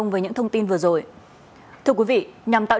ngành giáo dục đào tạo